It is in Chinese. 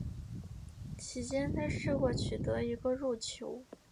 其间他试过取得一个入球。